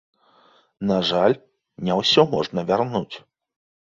На жаль, не ўсё можна вярнуць.